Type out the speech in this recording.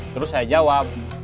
terus saya jawab